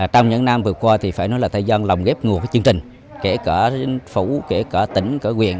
trong những năm vừa qua thì phải nói là tây giang lòng ghép ngủ với chương trình kể cả phủ kể cả tỉnh cả huyện